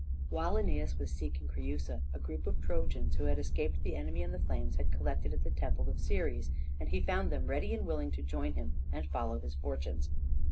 While Æneas was seeking Creusa a group of Trojans who had escaped the enemy and the flames had collected at the temple of Ceres, and he found them ready and willing to join him and follow his fortunes.